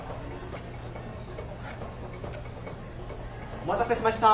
・お待たせしました。